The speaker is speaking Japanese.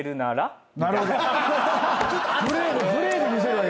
プレーで見せれば。